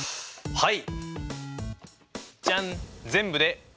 はい。